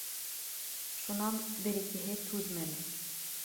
Шунан бер-икеһе түҙмәне